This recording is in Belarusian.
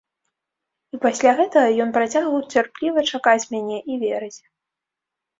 І пасля гэтага ён працягваў цярпліва чакаць мяне і верыць.